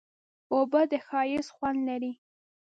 اوبه د ښایست خوند لري.